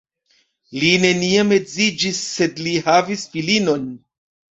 Li neniam edziĝis, sed li havis filinon.